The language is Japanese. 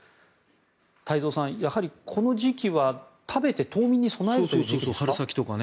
太蔵さん、やはりこの時期は食べて、冬眠に備えるという時期ですか。